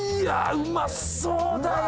うまそうだよ